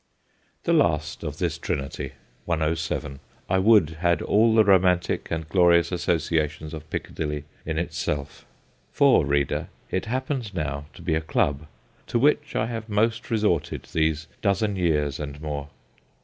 The last of this trinity, 107, I would had all the romantic and glorious associations of Piccadilly in itself. For, reader, it happens now to be a club, to which I have most resorted these dozen years and more.